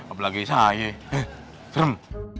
apalagi saya serem